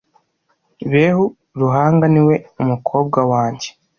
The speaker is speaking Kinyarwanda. behu ruhanga niwe mukobwa wange